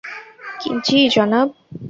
জ্বী, জনাব।